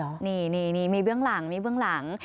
ทำเองเลยหรอนี่นี่นี่มีเบื้องหลังมีเบื้องหลัง